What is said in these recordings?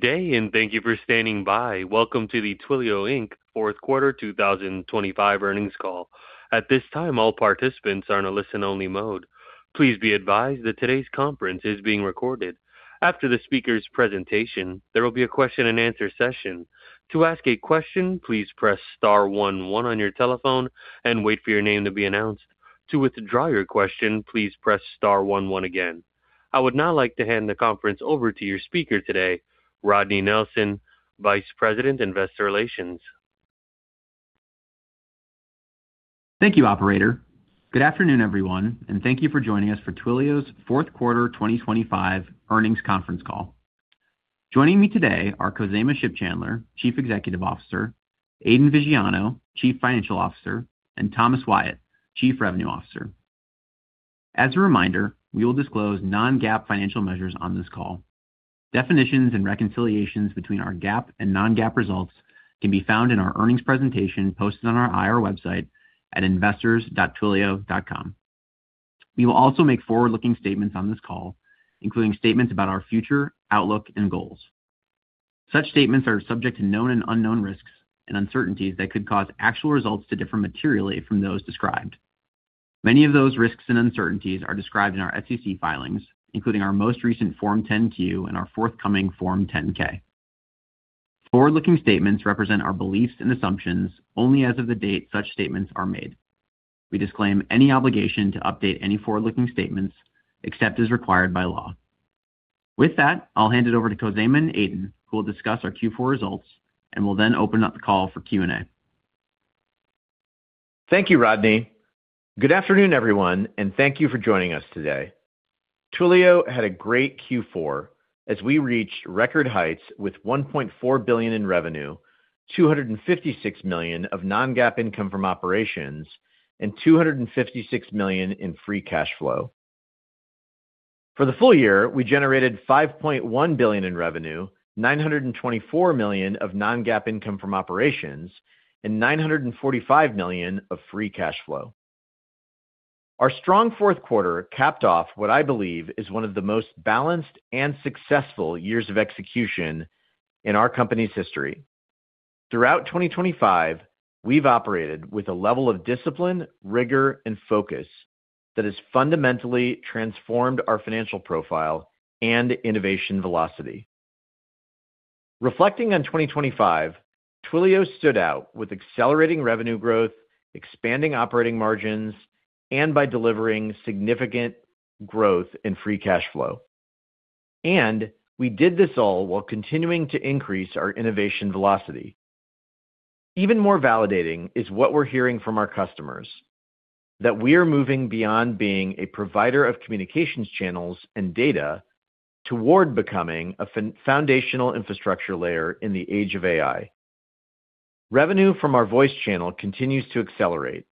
Good day, and thank you for standing by. Welcome to the Twilio Inc. fourth quarter 2025 earnings call. At this time, all participants are in a listen-only mode. Please be advised that today's conference is being recorded. After the speaker's presentation, there will be a question-and-answer session. To ask a question, please press star one one on your telephone and wait for your name to be announced. To withdraw your question, please press star one one again. I would now like to hand the conference over to your speaker today, Rodney Nelson, Vice President, Investor Relations. Thank you, operator. Good afternoon, everyone, and thank you for joining us for Twilio's fourth quarter 2025 earnings conference call. Joining me today are Khozema Shipchandler, Chief Executive Officer, Aidan Viggiano, Chief Financial Officer, and Thomas Wyatt, Chief Revenue Officer. As a reminder, we will disclose non-GAAP financial measures on this call. Definitions and reconciliations between our GAAP and non-GAAP results can be found in our earnings presentation posted on our IR website at investors.twilio.com. We will also make forward-looking statements on this call, including statements about our future, outlook, and goals. Such statements are subject to known and unknown risks and uncertainties that could cause actual results to differ materially from those described. Many of those risks and uncertainties are described in our SEC filings, including our most recent Form 10-Q and our forthcoming Form 10-K. Forward-looking statements represent our beliefs and assumptions only as of the date such statements are made. We disclaim any obligation to update any forward-looking statements except as required by law. With that, I'll hand it over to Khozema and Aidan, who will discuss our Q4 results and will then open up the call for Q&A. Thank you, Rodney. Good afternoon, everyone, and thank you for joining us today. Twilio had a great Q4 as we reached record heights with $1.4 billion in revenue, $256 million of non-GAAP income from operations, and $256 million in free cash flow. For the full-year, we generated $5.1 billion in revenue, $924 million of non-GAAP income from operations, and $945 million of free cash flow. Our strong fourth quarter capped off what I believe is one of the most balanced and successful years of execution in our company's history. Throughout 2025, we've operated with a level of discipline, rigor, and focus that has fundamentally transformed our financial profile and innovation velocity. Reflecting on 2025, Twilio stood out with accelerating revenue growth, expanding operating margins, and by delivering significant growth in free cash flow. We did this all while continuing to increase our innovation velocity. Even more validating is what we're hearing from our customers, that we are moving beyond being a provider of communications channels and data toward becoming a foundational infrastructure layer in the age of AI. Revenue from our voice channel continues to accelerate,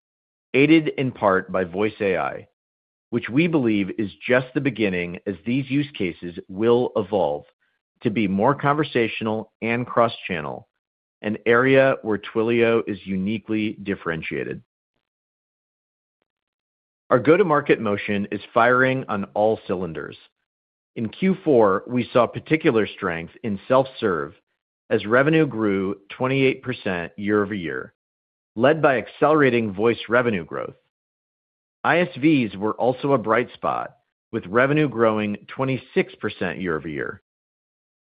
aided in part by voice AI, which we believe is just the beginning, as these use cases will evolve to be more conversational and cross-channel, an area where Twilio is uniquely differentiated. Our go-to-market motion is firing on all cylinders. In Q4, we saw particular strength in self-serve as revenue grew 28% year-over-year, led by accelerating voice revenue growth. ISVs were also a bright spot, with revenue growing 26% year-over-year.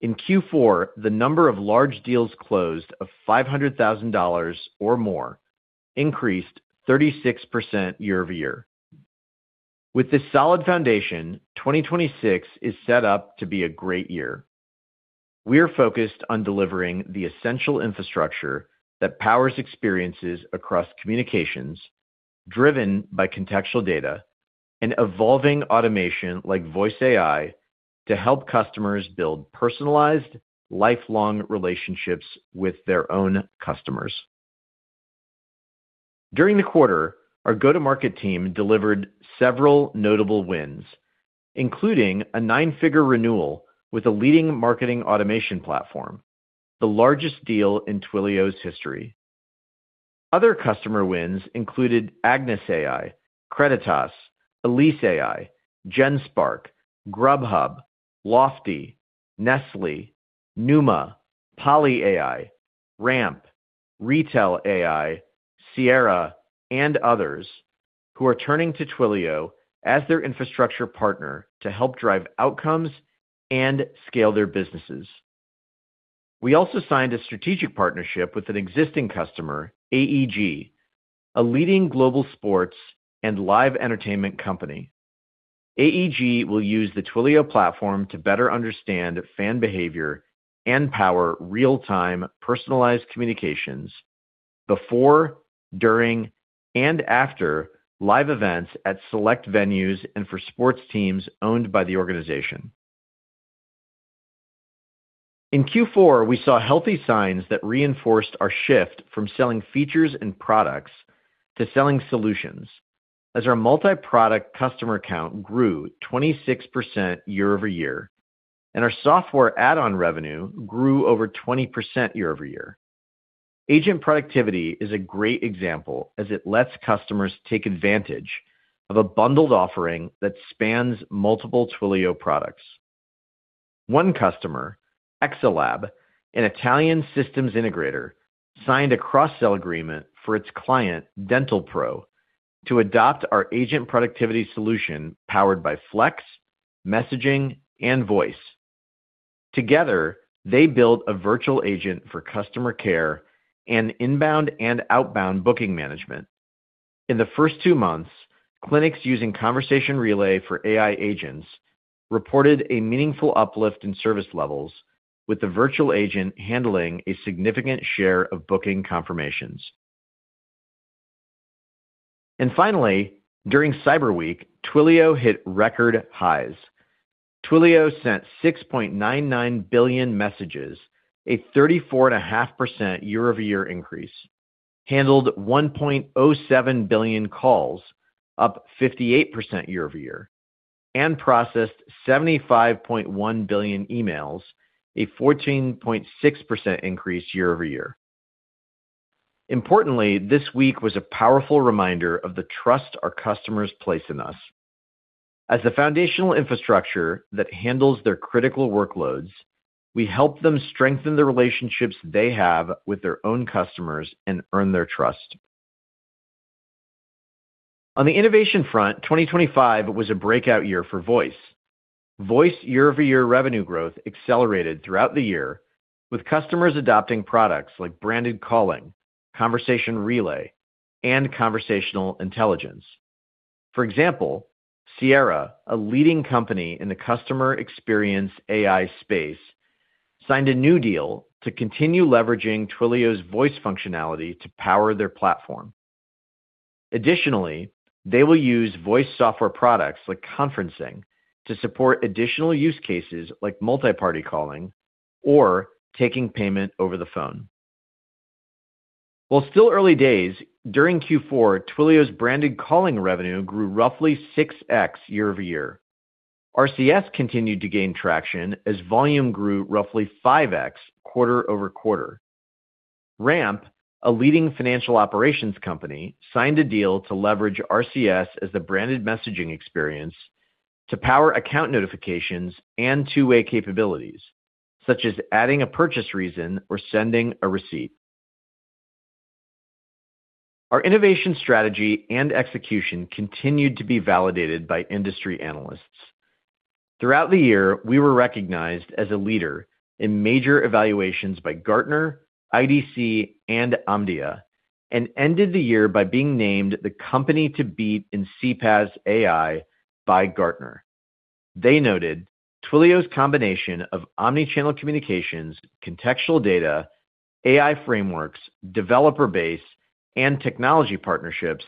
In Q4, the number of large deals closed of $500,000 or more increased 36% year-over-year. With this solid foundation, 2026 is set up to be a great year. We are focused on delivering the essential infrastructure that powers experiences across communications, driven by contextual data and evolving automation like voice AI, to help customers build personalized, lifelong relationships with their own customers. During the quarter, our go-to-market team delivered several notable wins, including a nine-figure renewal with a leading marketing automation platform, the largest deal in Twilio's history. Other customer wins included Agnos AI, Creditas, EliseAI, Genspark, Grubhub, Lofty, Nestlé, Numa, PolyAI, Ramp, Retell AI, Sierra, and others, who are turning to Twilio as their infrastructure partner to help drive outcomes and scale their businesses. We also signed a strategic partnership with an existing customer, AEG, a leading global sports and live entertainment company. AEG will use the Twilio platform to better understand fan behavior and power real-time, personalized communications before, during, and after live events at select venues and for sports teams owned by the organization. In Q4, we saw healthy signs that reinforced our shift from selling features and products to selling solutions, as our multi-product customer count grew 26% year-over-year, and our software add-on revenue grew over 20% year-over-year.... Agent productivity is a great example, as it lets customers take advantage of a bundled offering that spans multiple Twilio products. One customer, XLABS, an Italian systems integrator, signed a cross-sell agreement for its client, DentalPro, to adopt our agent productivity solution, powered by Flex, Messaging, and Voice. Together, they built a virtual agent for customer care and inbound and outbound booking management. In the first two months, clinics using conversation relay for AI agents reported a meaningful uplift in service levels, with the virtual agent handling a significant share of booking confirmations. Finally, during Cyber Week, Twilio hit record highs. Twilio sent 6.99 billion messages, a 34.5% year-over-year increase, handled 1.07 billion calls, up 58% year-over-year, and processed 75.1 billion emails, a 14.6% increase year-over-year. Importantly, this week was a powerful reminder of the trust our customers place in us. As the foundational infrastructure that handles their critical workloads, we help them strengthen the relationships they have with their own customers and earn their trust. On the innovation front, 2025 was a breakout year for Voice. Voice year-over-year revenue growth accelerated throughout the year, with customers adopting products like Branded Calling, conversation relay, and conversational intelligence. For example, Sierra, a leading company in the customer experience AI space, signed a new deal to continue leveraging Twilio's voice functionality to power their platform. Additionally, they will use voice software products like conferencing to support additional use cases like multi-party calling or taking payment over the phone. While still early days, during Q4, Twilio's Branded Calling revenue grew roughly 6x year-over-year. RCS continued to gain traction as volume grew roughly 5x quarter-over-quarter. Ramp, a leading financial operations company, signed a deal to leverage RCS as the branded messaging experience to power account notifications and two-way capabilities, such as adding a purchase reason or sending a receipt. Our innovation strategy and execution continued to be validated by industry analysts. Throughout the year, we were recognized as a leader in major evaluations by Gartner, IDC, and Omdia, and ended the year by being named the company to beat in CPaaS AI by Gartner. They noted, "Twilio's combination of omni-channel communications, contextual data, AI frameworks, developer base, and technology partnerships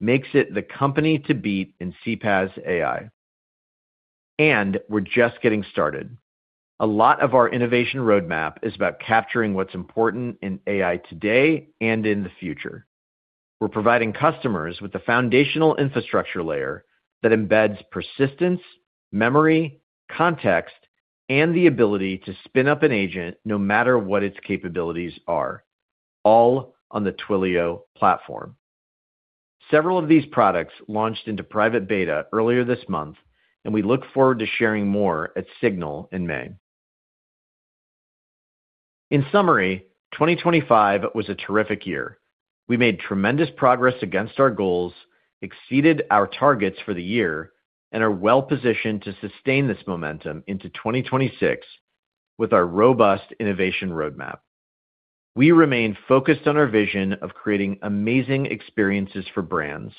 makes it the company to beat in CPaaS AI," and we're just getting started. A lot of our innovation roadmap is about capturing what's important in AI today and in the future. We're providing customers with the foundational infrastructure layer that embeds persistence, memory, context, and the ability to spin up an agent, no matter what its capabilities are, all on the Twilio platform. Several of these products launched into private beta earlier this month, and we look forward to sharing more at Signal in May. In summary, 2025 was a terrific year. We made tremendous progress against our goals, exceeded our targets for the year, and are well-positioned to sustain this momentum into 2026 with our robust innovation roadmap. We remain focused on our vision of creating amazing experiences for brands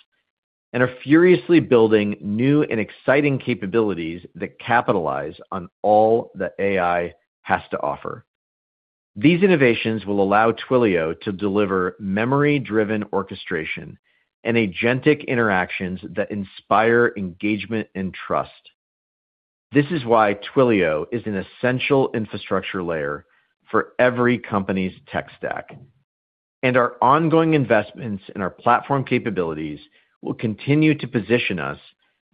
and are furiously building new and exciting capabilities that capitalize on all that AI has to offer. These innovations will allow Twilio to deliver memory-driven orchestration and agentic interactions that inspire engagement and trust. This is why Twilio is an essential infrastructure layer for every company's tech stack, and our ongoing investments in our platform capabilities will continue to position us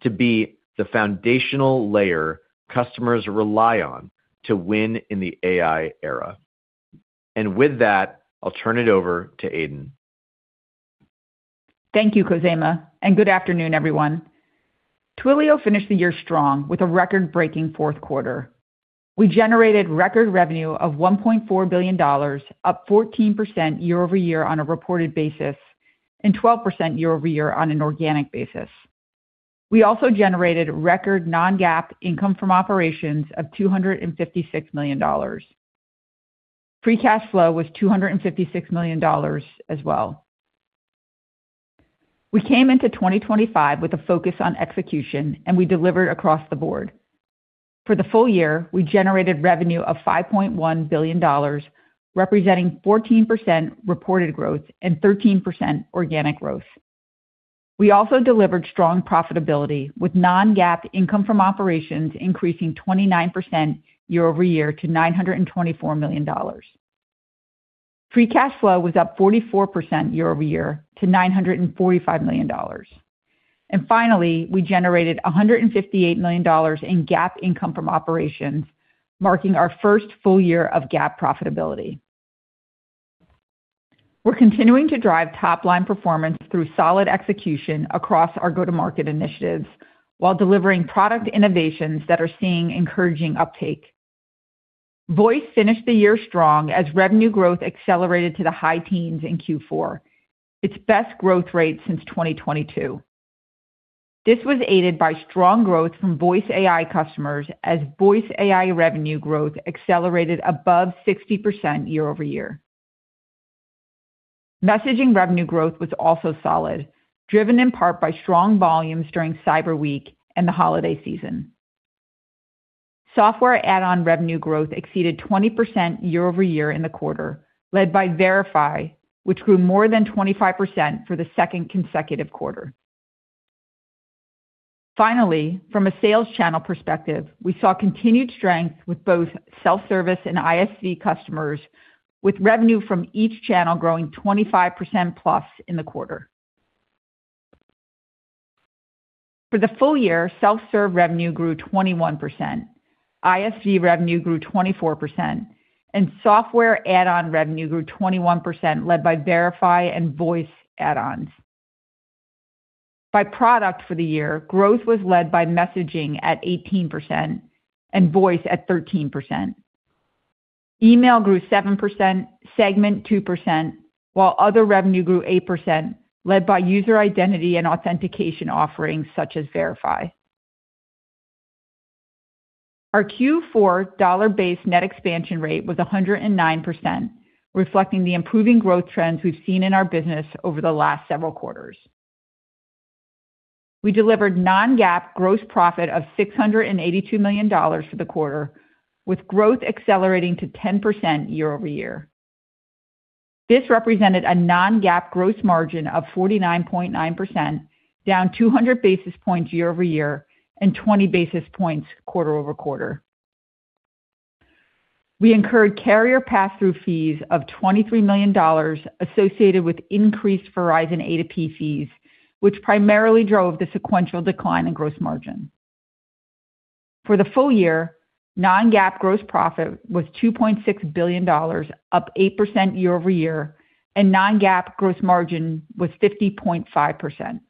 to be the foundational layer customers rely on to win in the AI era. With that, I'll turn it over to Aidan. Thank you, Khozema, and good afternoon, everyone. Twilio finished the year strong with a record-breaking fourth quarter. We generated record revenue of $1.4 billion, up 14% year-over-year on a reported basis, and 12% year-over-year on an organic basis. We also generated record non-GAAP income from operations of $256 million. Free cash flow was $256 million as well. We came into 2025 with a focus on execution, and we delivered across the board. For the full-year, we generated revenue of $5.1 billion, representing 14% reported growth and 13% organic growth. We also delivered strong profitability, with non-GAAP income from operations increasing 29% year-over-year to $924 million. Free cash flow was up 44% year-over-year to $945 million. And finally, we generated $158 million in GAAP income from operations, marking our first full-year of GAAP profitability. We're continuing to drive top-line performance through solid execution across our go-to-market initiatives, while delivering product innovations that are seeing encouraging uptake. Voice finished the year strong as revenue growth accelerated to the high teens in Q4, its best growth rate since 2022. This was aided by strong growth from voice AI customers, as voice AI revenue growth accelerated above 60% year-over-year. Messaging revenue growth was also solid, driven in part by strong volumes during Cyber Week and the holiday season. Software add-on revenue growth exceeded 20% year-over-year in the quarter, led by Verify, which grew more than 25% for the second consecutive quarter. Finally, from a sales channel perspective, we saw continued strength with both self-service and ISV customers, with revenue from each channel growing 25%+ in the quarter. For the full-year, self-serve revenue grew 21%, ISV revenue grew 24%, and software add-on revenue grew 21%, led by Verify and Voice add-ons. By product for the year, growth was led by Messaging at 18% and Voice at 13%. Email grew 7%, Segment, 2%, while other revenue grew 8%, led by user identity and authentication offerings such as Verify. Our Q4 dollar-based net expansion rate was 109%, reflecting the improving growth trends we've seen in our business over the last several quarters. We delivered non-GAAP gross profit of $682 million for the quarter, with growth accelerating to 10% year-over-year. This represented a non-GAAP gross margin of 49.9%, down 200 basis points year-over-year and 20 basis points quarter-over-quarter. We incurred carrier pass-through fees of $23 million associated with increased Verizon A2P fees, which primarily drove the sequential decline in gross margin. For the full-year, non-GAAP gross profit was $2.6 billion, up 8% year-over-year, and non-GAAP gross margin was 50.5%.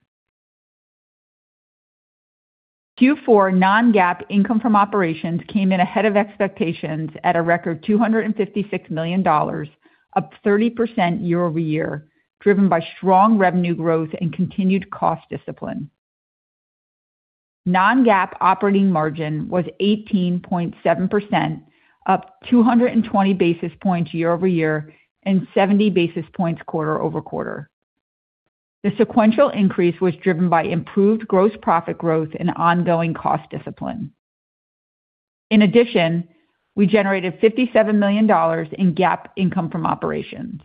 Q4 non-GAAP income from operations came in ahead of expectations at a record $256 million, up 30% year-over-year, driven by strong revenue growth and continued cost discipline. Non-GAAP operating margin was 18.7%, up 220 basis points year-over-year and 70 basis points quarter-over-quarter. The sequential increase was driven by improved gross profit growth and ongoing cost discipline. In addition, we generated $57 million in GAAP income from operations.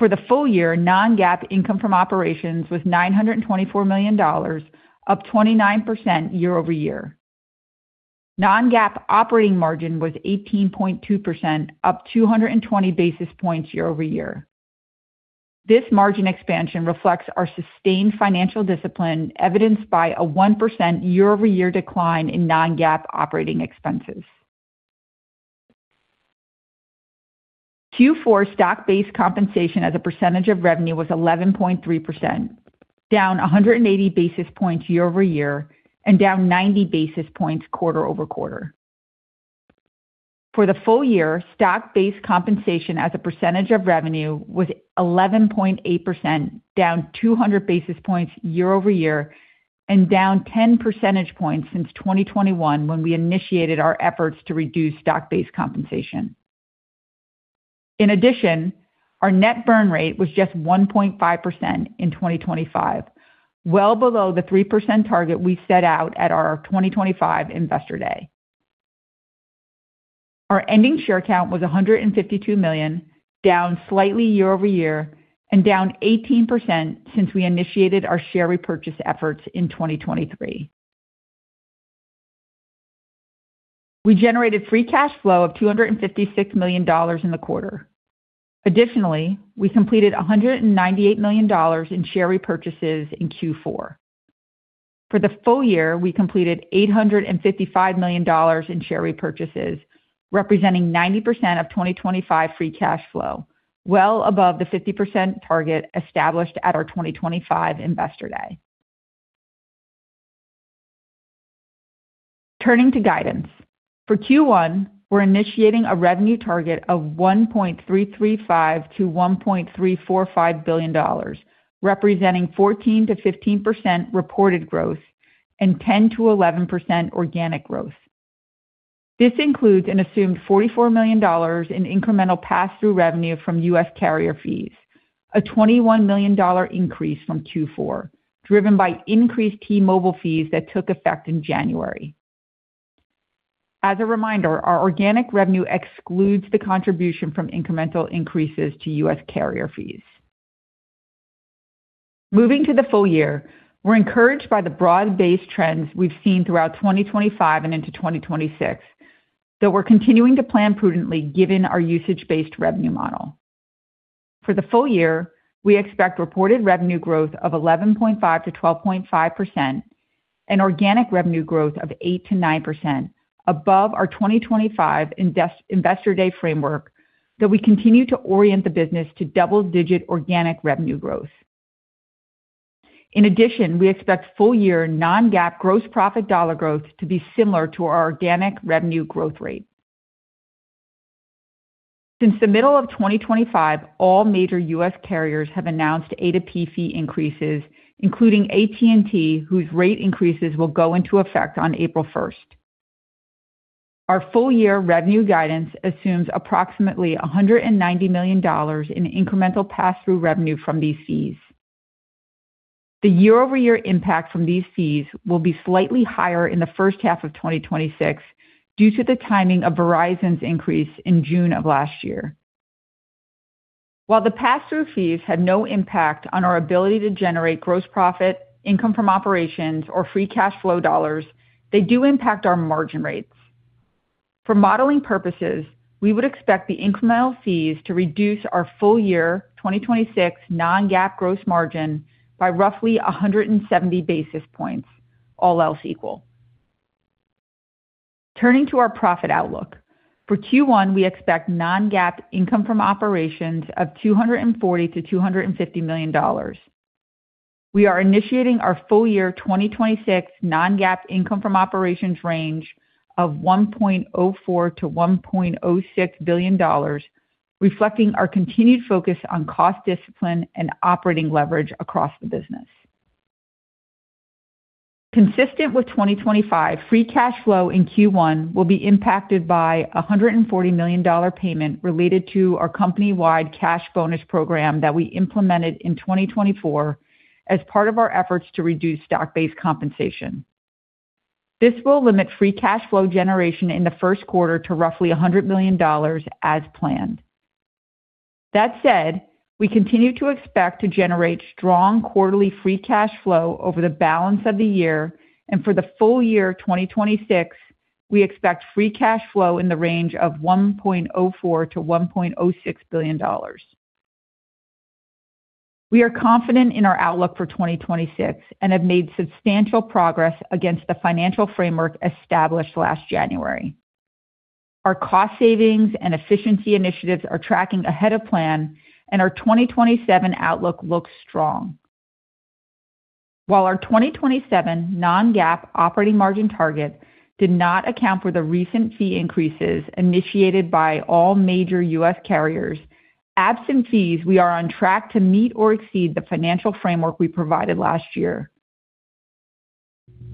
For the full-year, non-GAAP income from operations was $924 million, up 29% year-over-year. Non-GAAP operating margin was 18.2%, up 220 basis points year-over-year. This margin expansion reflects our sustained financial discipline, evidenced by a 1% year-over-year decline in non-GAAP operating expenses. Q4 stock-based compensation as a percentage of revenue was 11.3%, down 180 basis points year-over-year and down 90 basis points quarter-over-quarter. For the full-year, stock-based compensation as a percentage of revenue was 11.8%, down 200 basis points year-over-year, and down 10 percentage points since 2021, when we initiated our efforts to reduce stock-based compensation. In addition, our net burn rate was just 1.5% in 2025, well below the 3% target we set out at our 2025 Investor Day. Our ending share count was 152 million, down slightly year-over-year and down 18% since we initiated our share repurchase efforts in 2023. We generated free cash flow of $256 million in the quarter. Additionally, we completed $198 million in share repurchases in Q4. For the full-year, we completed $855 million in share repurchases, representing 90% of 2025 free cash flow, well above the 50% target established at our 2025 Investor Day. Turning to guidance. For Q1, we're initiating a revenue target of $1.335 billion-$1.345 billion, representing 14%-15% reported growth and 10%-11% organic growth. This includes an assumed $44 million in incremental pass-through revenue from U.S. carrier fees, a $21 million increase from Q4, driven by increased T-Mobile fees that took effect in January. As a reminder, our organic revenue excludes the contribution from incremental increases to U.S. carrier fees. Moving to the full-year, we're encouraged by the broad-based trends we've seen throughout 2025 and into 2026-... So we're continuing to plan prudently, given our usage-based revenue model. For the full-year, we expect reported revenue growth of 11.5%-12.5% and organic revenue growth of 8%-9%, above our 2025 Investor Day framework, that we continue to orient the business to double-digit organic revenue growth. In addition, we expect full-year non-GAAP gross profit dollar growth to be similar to our organic revenue growth rate. Since the middle of 2025, all major U.S. carriers have announced A2P fee increases, including AT&T, whose rate increases will go into effect on April 1st. Our full-year revenue guidance assumes approximately $190 million in incremental pass-through revenue from these fees. The year-over-year impact from these fees will be slightly higher in the first half of 2026, due to the timing of Verizon's increase in June of last year. While the pass-through fees have no impact on our ability to generate gross profit, income from operations, or free cash flow dollars, they do impact our margin rates. For modeling purposes, we would expect the incremental fees to reduce our full-year 2026 non-GAAP gross margin by roughly 170 basis points, all else equal. Turning to our profit outlook. For Q1, we expect non-GAAP income from operations of $240 million-$250 million. We are initiating our full-year 2026 non-GAAP income from operations range of $1.04 billion-$1.06 billion, reflecting our continued focus on cost discipline and operating leverage across the business. Consistent with 2025, free cash flow in Q1 will be impacted by a $140 million payment related to our company-wide cash bonus program that we implemented in 2024 as part of our efforts to reduce stock-based compensation. This will limit free cash flow generation in the first quarter to roughly $100 million as planned. That said, we continue to expect to generate strong quarterly free cash flow over the balance of the year, and for the full-year 2026, we expect free cash flow in the range of $1.04 billion-$1.06 billion. We are confident in our outlook for 2026 and have made substantial progress against the financial framework established last January. Our cost savings and efficiency initiatives are tracking ahead of plan, and our 2027 outlook looks strong. While our 2027 non-GAAP operating margin target did not account for the recent fee increases initiated by all major U.S. carriers, absent fees, we are on track to meet or exceed the financial framework we provided last year.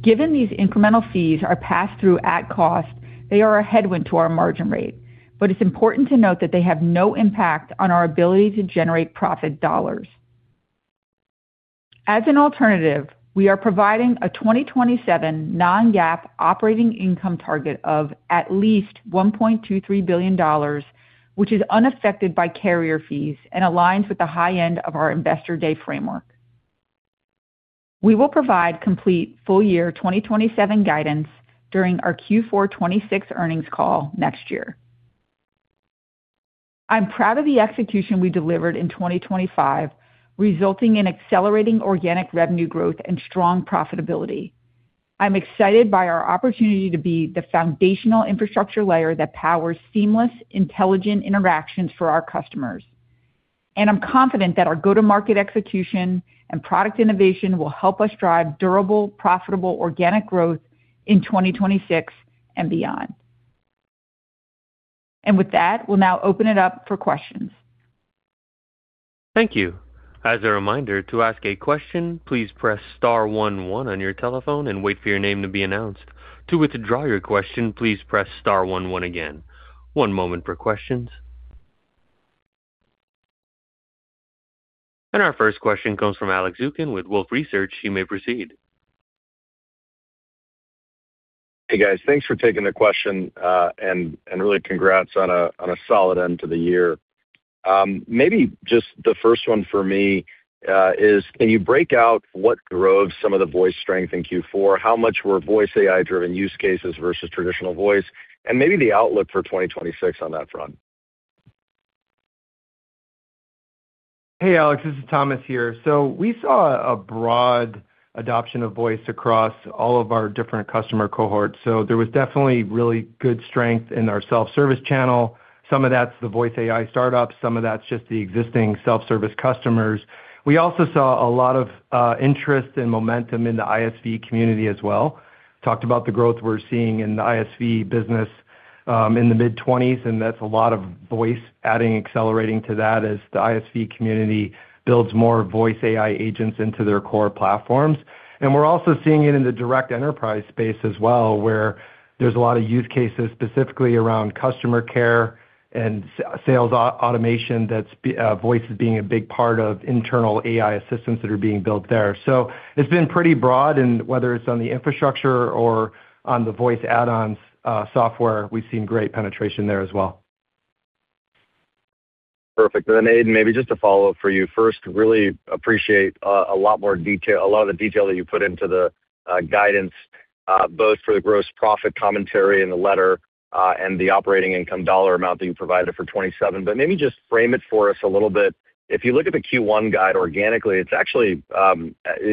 Given these incremental fees are passed through at cost, they are a headwind to our margin rate, but it's important to note that they have no impact on our ability to generate profit dollars. As an alternative, we are providing a 2027 non-GAAP operating income target of at least $1.23 billion, which is unaffected by carrier fees and aligns with the high end of our Investor Day framework. We will provide complete full-year 2027 guidance during our Q4 2026 earnings call next year. I'm proud of the execution we delivered in 2025, resulting in accelerating organic revenue growth and strong profitability. I'm excited by our opportunity to be the foundational infrastructure layer that powers seamless, intelligent interactions for our customers. I'm confident that our go-to-market execution and product innovation will help us drive durable, profitable, organic growth in 2026 and beyond. With that, we'll now open it up for questions. Thank you. As a reminder, to ask a question, please press star one one on your telephone and wait for your name to be announced. To withdraw your question, please press star one one again. One moment for questions. Our first question comes from Alex Zukin with Wolfe Research. You may proceed. Hey, guys. Thanks for taking the question, and really congrats on a solid end to the year. Maybe just the first one for me is can you break out what drove some of the voice strength in Q4? How much were voice AI-driven use cases versus traditional voice, and maybe the outlook for 2026 on that front? Hey, Alex, this is Thomas here. So we saw a broad adoption of voice across all of our different customer cohorts, so there was definitely really good strength in our self-service channel. Some of that's the voice AI startups, some of that's just the existing self-service customers. We also saw a lot of interest and momentum in the ISV community as well. Talked about the growth we're seeing in the ISV business in the mid-20s, and that's a lot of voice adding accelerating to that as the ISV community builds more voice AI agents into their core platforms. And we're also seeing it in the direct enterprise space as well, where there's a lot of use cases, specifically around customer care and sales automation, that's voice is being a big part of internal AI assistants that are being built there. So it's been pretty broad, and whether it's on the infrastructure or on the voice add-ons, software, we've seen great penetration there as well. ... Perfect. Then Aidan, maybe just a follow-up for you first. Really appreciate a lot more detail, a lot of the detail that you put into the guidance, both for the gross profit commentary in the letter, and the operating income dollar amount that you provided for 2027. But maybe just frame it for us a little bit. If you look at the Q1 guide organically, it's actually a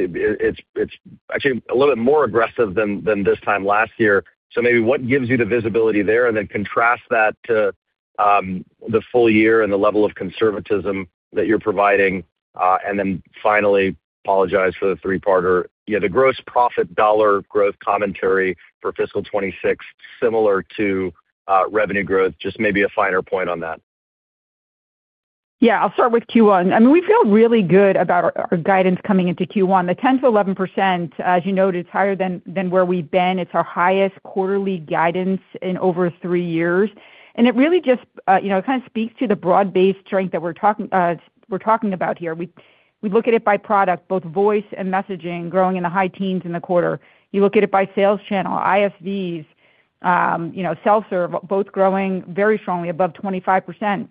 little bit more aggressive than this time last year. So maybe what gives you the visibility there? And then contrast that to the full-year and the level of conservatism that you're providing. And then finally, apologize for the three-parter. Yeah, the gross profit dollar growth commentary for fiscal year 2026, similar to revenue growth, just maybe a finer point on that. Yeah, I'll start with Q1. I mean, we feel really good about our guidance coming into Q1. The 10%-11%, as you noted, is higher than where we've been. It's our highest quarterly guidance in over three years, and it really just, you know, kind of speaks to the broad-based strength that we're talking about here. We look at it by product, both voice and messaging, growing in the high teens in the quarter. You look at it by sales channel, ISVs, you know, self-serve, both growing very strongly above 25%.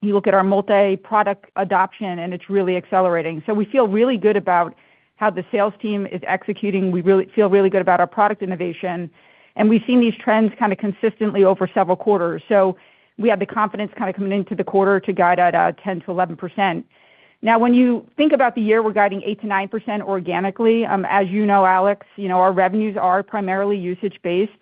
You look at our multi-product adoption, and it's really accelerating. So we feel really good about how the sales team is executing. We feel really good about our product innovation, and we've seen these trends kind of consistently over several quarters. So we have the confidence kind of coming into the quarter to guide at 10%-11%. Now, when you think about the year, we're guiding 8%-9% organically. As you know, Alex, you know, our revenues are primarily usage-based,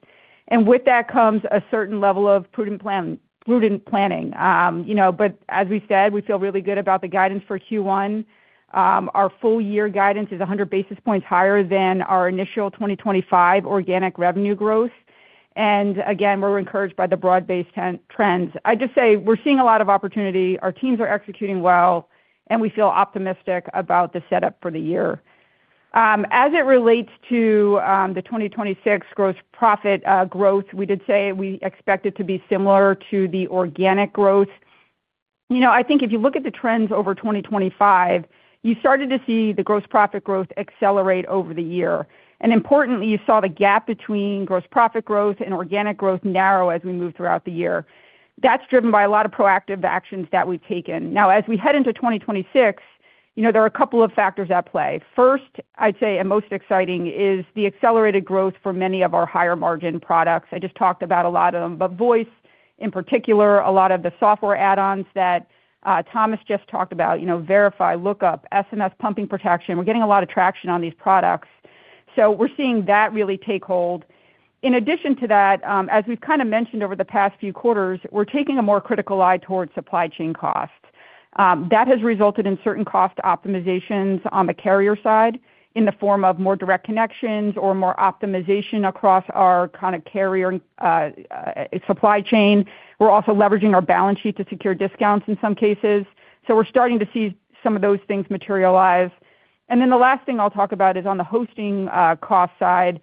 and with that comes a certain level of prudent planning. You know, but as we said, we feel really good about the guidance for Q1. Our full-year guidance is 100 basis points higher than our initial 2025 organic revenue growth. And again, we're encouraged by the broad-based trends. I'd just say we're seeing a lot of opportunity, our teams are executing well, and we feel optimistic about the setup for the year. As it relates to the 2026 gross profit growth, we did say we expect it to be similar to the organic growth. You know, I think if you look at the trends over 2025, you started to see the gross profit growth accelerate over the year. And importantly, you saw the gap between gross profit growth and organic growth narrow as we moved throughout the year. That's driven by a lot of proactive actions that we've taken. Now, as we head into 2026, you know, there are a couple of factors at play. First, I'd say, and most exciting, is the accelerated growth for many of our higher-margin products. I just talked about a lot of them, but voice in particular, a lot of the software add-ons that Thomas just talked about, you know, Verify, Lookup, SMS Pumping Protection. We're getting a lot of traction on these products, so we're seeing that really take hold. In addition to that, as we've kind of mentioned over the past few quarters, we're taking a more critical eye towards supply chain costs. That has resulted in certain cost optimizations on the carrier side in the form of more direct connections or more optimization across our kind of carrier supply chain. We're also leveraging our balance sheet to secure discounts in some cases. So we're starting to see some of those things materialize. And then the last thing I'll talk about is on the hosting cost side.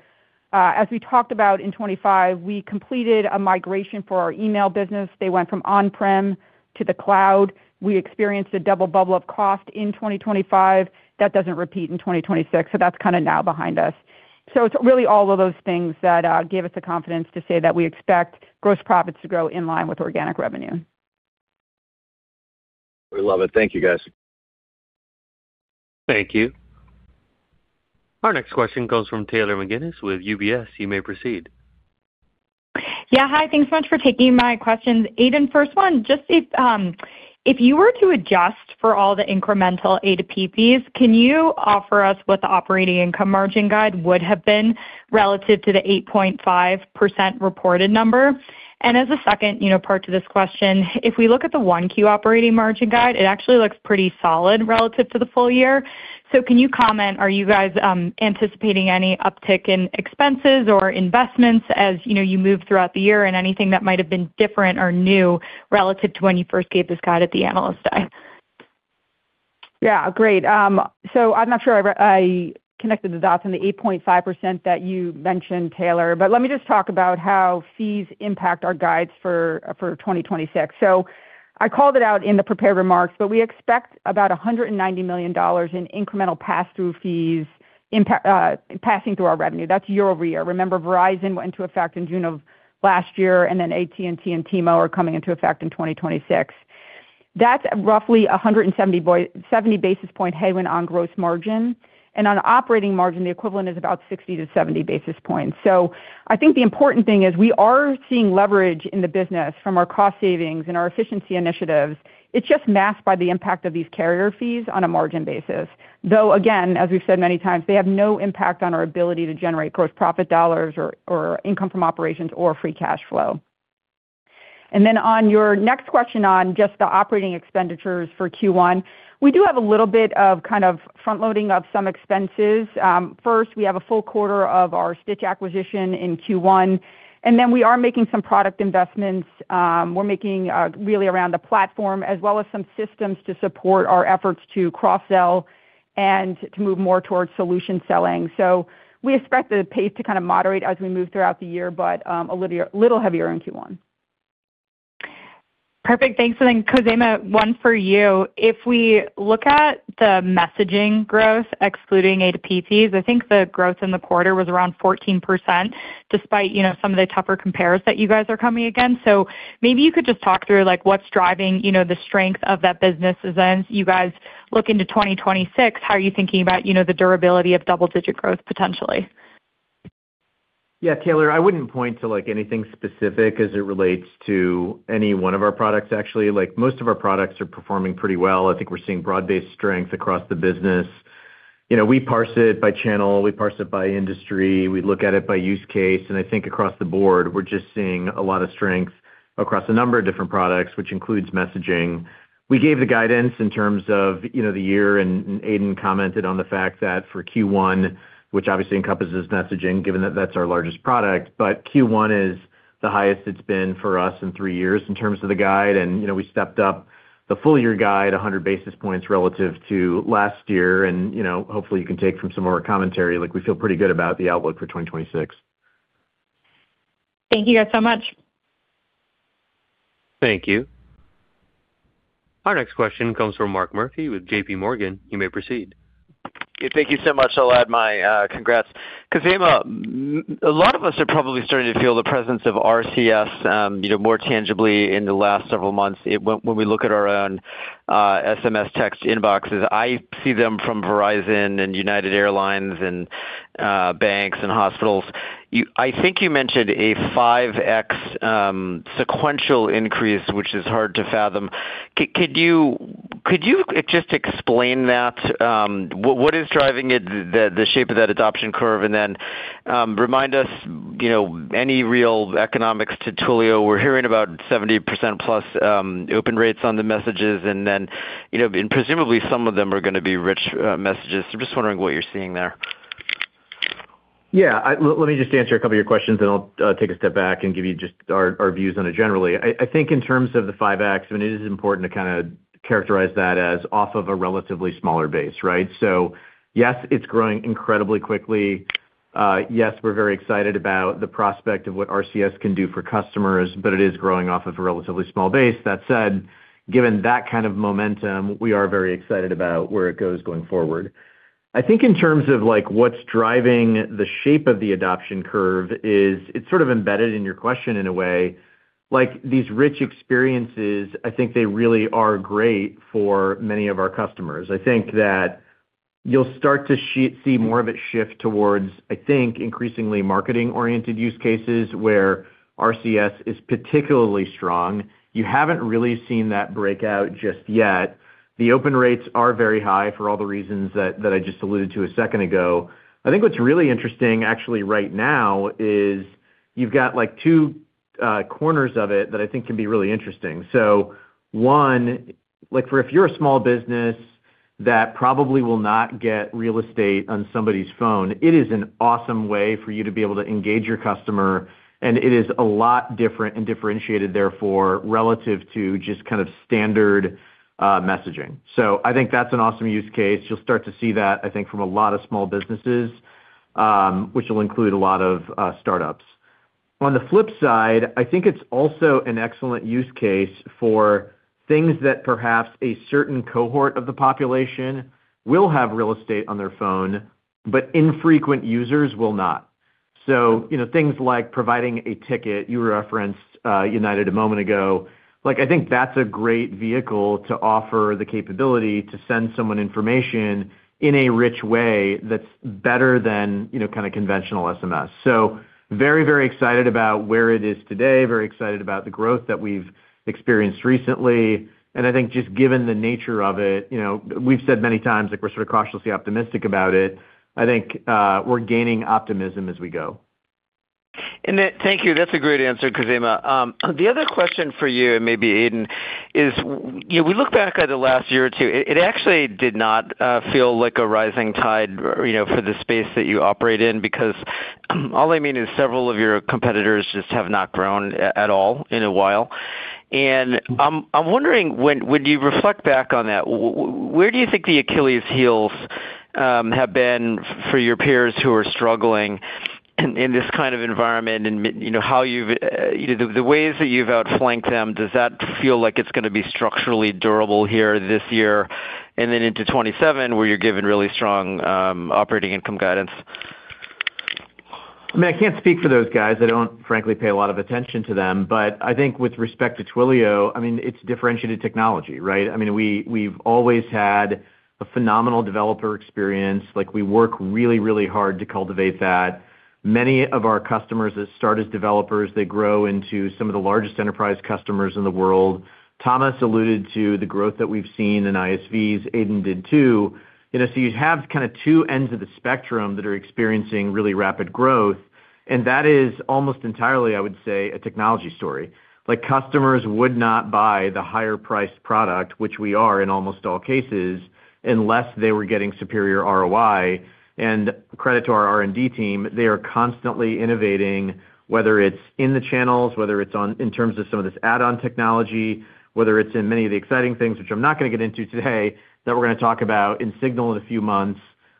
As we talked about in 2025, we completed a migration for our email business. They went from on-prem to the cloud. We experienced a double bubble of cost in 2025. That doesn't repeat in 2026, so that's kind of now behind us. So it's really all of those things that give us the confidence to say that we expect gross profits to grow in line with organic revenue. We love it. Thank you, guys. Thank you. Our next question comes from Taylor McGinnis with UBS. You may proceed. Yeah, hi. Thanks so much for taking my questions. Aidan, first one, just if, if you were to adjust for all the incremental A2P fees, can you offer us what the operating income margin guide would have been relative to the 8.5% reported number? And as a second, you know, part to this question, if we look at the 1Q operating margin guide, it actually looks pretty solid relative to the full-year. So can you comment, are you guys, anticipating any uptick in expenses or investments as, you know, you move throughout the year and anything that might have been different or new relative to when you first gave this guide at the Analyst Day? Yeah, great. So I'm not sure I connected the dots on the 8.5% that you mentioned, Taylor, but let me just talk about how fees impact our guides for 2026. So I called it out in the prepared remarks, but we expect about $190 million in incremental pass-through fees, passing through our revenue. That's year over year. Remember, Verizon went into effect in June of last year, and then AT&T and T-Mobile are coming into effect in 2026. That's roughly a 170 basis point headwind on gross margin, and on operating margin, the equivalent is about 60-70 basis points. So I think the important thing is we are seeing leverage in the business from our cost savings and our efficiency initiatives. It's just masked by the impact of these carrier fees on a margin basis, though, again, as we've said many times, they have no impact on our ability to generate gross profit dollars or income from operations or free cash flow. And then on your next question on just the operating expenditures for Q1, we do have a little bit of kind of front loading of some expenses. First, we have a full quarter of our Stytch acquisition in Q1, and then we are making some product investments, we're making really around the platform, as well as some systems to support our efforts to cross-sell and to move more towards solution selling. So we expect the pace to kind of moderate as we move throughout the year, but a little heavier in Q1. ... Perfect. Thanks. And then, Khozema, one for you. If we look at the messaging growth, excluding A2Ps, I think the growth in the quarter was around 14%, despite, you know, some of the tougher compares that you guys are coming against. So maybe you could just talk through, like, what's driving, you know, the strength of that business as then you guys look into 2026, how are you thinking about, you know, the durability of double-digit growth potentially? Yeah, Taylor, I wouldn't point to, like, anything specific as it relates to any one of our products, actually. Like, most of our products are performing pretty well. I think we're seeing broad-based strength across the business. You know, we parse it by channel, we parse it by industry, we look at it by use case, and I think across the board, we're just seeing a lot of strength across a number of different products, which includes messaging. We gave the guidance in terms of, you know, the year, and Aidan commented on the fact that for Q1, which obviously encompasses messaging, given that that's our largest product, but Q1 is the highest it's been for us in three years in terms of the guide, and, you know, we stepped up the full-year guide 100 basis points relative to last year, and, you know, hopefully you can take from some of our commentary, like, we feel pretty good about the outlook for 2026. Thank you guys so much. Thank you. Our next question comes from Mark Murphy with JPMorgan. You may proceed. Okay, thank you so much. I'll add my congrats. Khozema, a lot of us are probably starting to feel the presence of RCS, you know, more tangibly in the last several months. When we look at our own SMS text inboxes, I see them from Verizon and United Airlines and banks and hospitals. I think you mentioned a 5x sequential increase, which is hard to fathom. Could you just explain that? What is driving it, the shape of that adoption curve, and then remind us, you know, any real economics to Twilio. We're hearing about 70%+ open rates on the messages, and then, you know, and presumably some of them are gonna be rich messages. So I'm just wondering what you're seeing there. Yeah, let me just answer a couple of your questions, and I'll take a step back and give you just our views on it generally. I think in terms of the 5x, I mean, it is important to kinda characterize that as off of a relatively smaller base, right? So yes, it's growing incredibly quickly. Yes, we're very excited about the prospect of what RCS can do for customers, but it is growing off of a relatively small base. That said, given that kind of momentum, we are very excited about where it goes going forward. I think in terms of, like, what's driving the shape of the adoption curve is, it's sort of embedded in your question in a way. Like, these rich experiences, I think they really are great for many of our customers. I think that you'll start to see more of it shift towards, I think, increasingly marketing-oriented use cases, where RCS is particularly strong. You haven't really seen that breakout just yet. The open rates are very high for all the reasons that, that I just alluded to a second ago. I think what's really interesting actually right now is you've got, like, two, corners of it that I think can be really interesting. So one, like, for if you're a small business that probably will not get real estate on somebody's phone, it is an awesome way for you to be able to engage your customer, and it is a lot different and differentiated therefore, relative to just kind of standard, messaging. So I think that's an awesome use case. You'll start to see that, I think, from a lot of small businesses, which will include a lot of startups. On the flip side, I think it's also an excellent use case for things that perhaps a certain cohort of the population will have real estate on their phone, but infrequent users will not. So you know, things like providing a ticket, you referenced United a moment ago. Like, I think that's a great vehicle to offer the capability to send someone information in a rich way that's better than, you know, kind of conventional SMS. So very, very excited about where it is today, very excited about the growth that we've experienced recently, and I think just given the nature of it, you know, we've said many times that we're sort of cautiously optimistic about it. I think we're gaining optimism as we go. And then thank you. That's a great answer, Khozema. The other question for you, and maybe Aidan, is, you know, we look back at the last year or two, it actually did not feel like a rising tide, you know, for the space that you operate in, because, all I mean is several of your competitors just have not grown at all in a while. And I'm wondering, when you reflect back on that, where do you think the Achilles heels have been for your peers who are struggling in this kind of environment, and you know, how you've... The ways that you've outflanked them, does that feel like it's gonna be structurally durable here this year and then into 2027, where you're given really strong operating income guidance? I mean, I can't speak for those guys. I don't frankly, pay a lot of attention to them. But I think with respect to Twilio, I mean, it's differentiated technology, right? I mean, we, we've always had a phenomenal developer experience. Like, we work really, really hard to cultivate that. Many of our customers that start as developers, they grow into some of the largest enterprise customers in the world. Thomas alluded to the growth that we've seen in ISVs, Aidan did too. You know, so you have kind of two ends of the spectrum that are experiencing really rapid growth, and that is almost entirely, I would say, a technology story. Like, customers would not buy the higher priced product, which we are in almost all cases, unless they were getting superior ROI. Credit to our R&D team, they are constantly innovating, whether it's in the channels, whether it's on, in terms of some of this add-on technology, whether it's in many of the exciting things, which I'm not gonna get into today, that we're gonna talk about in Signal in a few months.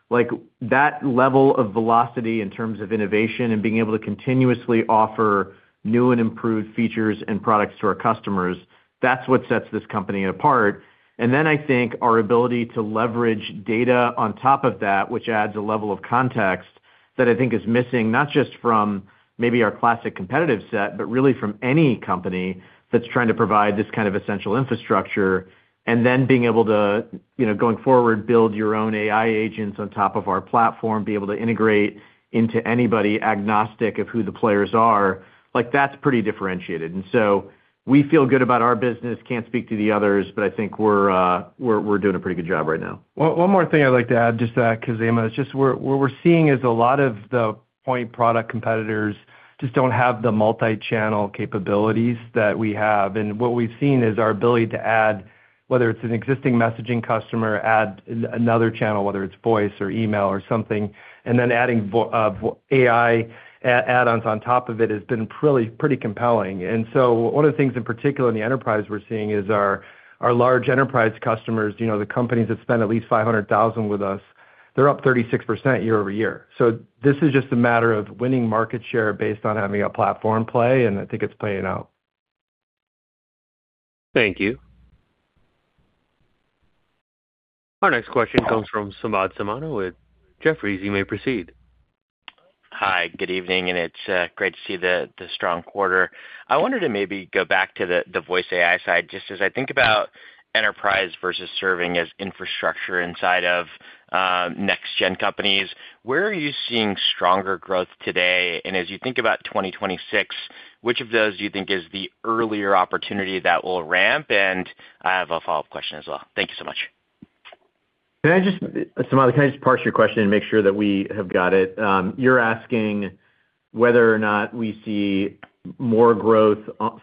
Like, that level of velocity in terms of innovation and being able to continuously offer new and improved features and products to our customers, that's what sets this company apart. And then I think our ability to leverage data on top of that, which adds a level of context that I think is missing, not just from maybe our classic competitive set, but really from any company that's trying to provide this kind of essential infrastructure, and then being able to, you know, going forward, build your own AI agents on top of our platform, be able to integrate into anybody agnostic of who the players are, like, that's pretty differentiated. And so we feel good about our business. Can't speak to the others, but I think we're doing a pretty good job right now. One more thing I'd like to add, just to add, Khozema, is just what we're seeing is a lot of the point product competitors just don't have the multi-channel capabilities that we have. And what we've seen is our ability to add, whether it's an existing messaging customer, add another channel, whether it's voice or email or something, and then adding AI add-ons on top of it has been pretty compelling. And so one of the things in particular in the enterprise we're seeing is our large enterprise customers, you know, the companies that spend at least $500,000 with us, they're up 36% year-over-year. So this is just a matter of winning market share based on having a platform play, and I think it's playing out. Thank you. Our next question comes from Samad Samana with Jefferies. You may proceed. Hi, good evening, and it's great to see the strong quarter. I wanted to maybe go back to the voice AI side. Just as I think about enterprise versus serving as infrastructure inside of next gen companies, where are you seeing stronger growth today? And as you think about 2026, which of those do you think is the earlier opportunity that will ramp? And I have a follow-up question as well. Thank you so much. Can I just, Samad, can I just parse your question and make sure that we have got it? You're asking whether or not we see more growth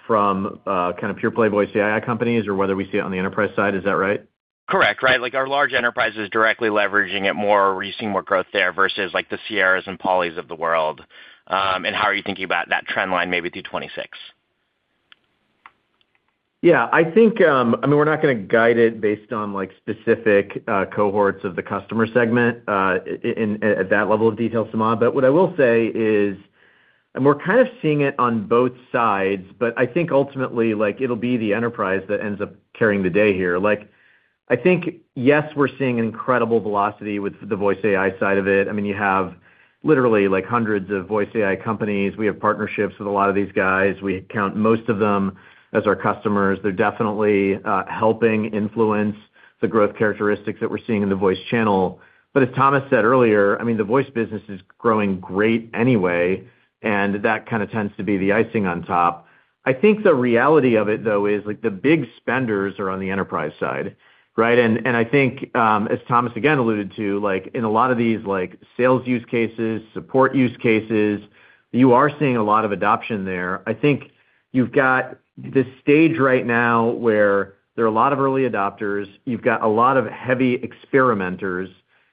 from kind of pure play voice AI companies or whether we see it on the enterprise side. Is that right? Correct. Right. Like, are large enterprises directly leveraging it more, or are we seeing more growth there versus, like, the Sierras and Polys of the world? And how are you thinking about that trend line maybe through 2026? Yeah, I think, I mean, we're not going to guide it based on, like, specific cohorts of the customer segment at that level of detail, Samad. But what I will say is... And we're kind of seeing it on both sides, but I think ultimately, like, it'll be the enterprise that ends up carrying the day here. Like, I think, yes, we're seeing an incredible velocity with the voice AI side of it. I mean, you have literally, like, hundreds of voice AI companies. We have partnerships with a lot of these guys. We count most of them as our customers. They're definitely helping influence the growth characteristics that we're seeing in the voice channel. But as Thomas said earlier, I mean, the voice business is growing great anyway, and that kind of tends to be the icing on top. I think the reality of it, though, is, like, the big spenders are on the enterprise side, right? And I think, as Thomas again alluded to, like, in a lot of these, like, sales use cases, support use cases, you are seeing a lot of adoption there. I think you've got this stage right now where there are a lot of early adopters, you've got a lot of heavy experimenters,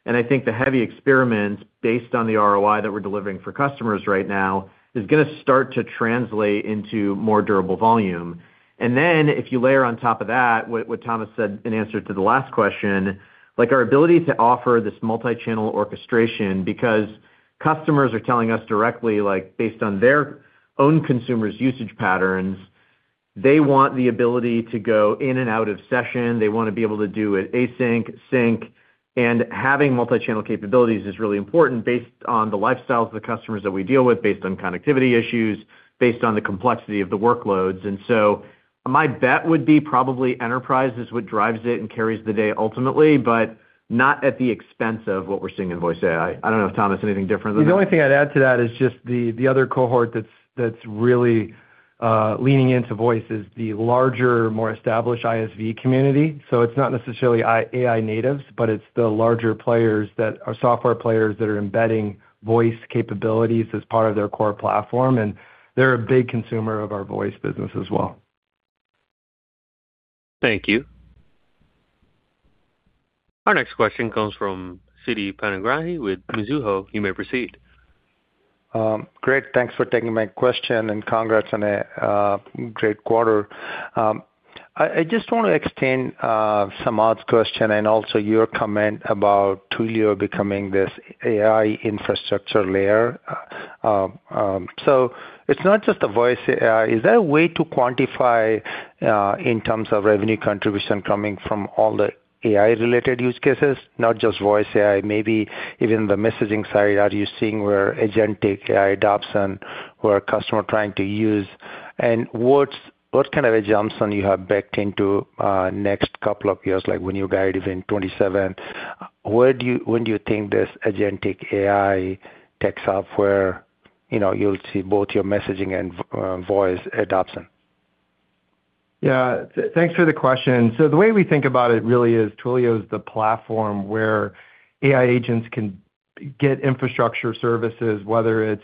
and I think the heavy experiments, based on the ROI that we're delivering for customers right now, is going to start to translate into more durable volume. And then, if you layer on top of that, what, what Thomas said in answer to the last question, like, our ability to offer this multi-channel orchestration, because customers are telling us directly, like, based on their own consumers' usage patterns, they want the ability to go in and out of session, they want to be able to do it async, sync, and having multi-channel capabilities is really important based on the lifestyles of the customers that we deal with, based on connectivity issues, based on the complexity of the workloads. And so my bet would be probably enterprise is what drives it and carries the day ultimately, but not at the expense of what we're seeing in voice AI. I don't know if, Thomas, anything different than that. The only thing I'd add to that is just the other cohort that's really leaning into voice is the larger, more established ISV community. So it's not necessarily AI natives, but it's the larger players that are software players that are embedding voice capabilities as part of their core platform, and they're a big consumer of our voice business as well. Thank you. Our next question comes from Siti Panigrahi with Mizuho. You may proceed. Great. Thanks for taking my question, and congrats on a great quarter. I just want to extend Samad's question and also your comment about Twilio becoming this AI infrastructure layer. So it's not just the voice AI. Is there a way to quantify in terms of revenue contribution coming from all the AI-related use cases, not just voice AI, maybe even the messaging side? Are you seeing where agentic AI adoption, where a customer trying to use? And what kind of a jump zone you have backed into next couple of years, like when you guide even 2027, where do you, when do you think this agentic AI tech software, you know, you'll see both your messaging and voice adoption? Yeah, thanks for the question. So the way we think about it really is Twilio is the platform where AI agents can get infrastructure services, whether it's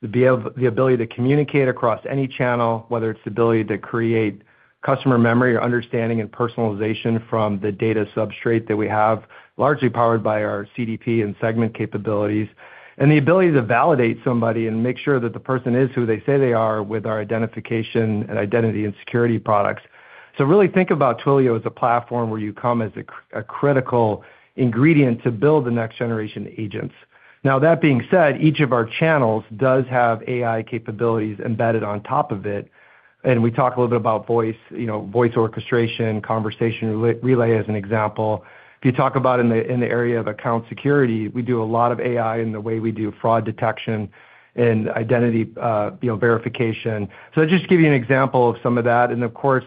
the ability to communicate across any channel, whether it's the ability to create customer memory or understanding and personalization from the data substrate that we have, largely powered by our CDP and Segment capabilities, and the ability to validate somebody and make sure that the person is who they say they are with our identification and identity and security products.... So really think about Twilio as a platform where you come as a critical ingredient to build the next generation agents. Now, that being said, each of our channels does have AI capabilities embedded on top of it, and we talk a little bit about voice, you know, voice orchestration, conversation relay, as an example. If you talk about the area of account security, we do a lot of AI in the way we do fraud detection and identity, you know, verification. So just to give you an example of some of that, and of course,